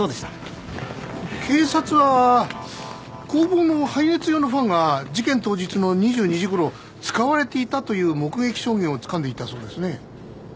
警察は工房の廃熱用のファンが事件当日の２２時ごろ使われていたという目撃証言をつかんでいたそうですね。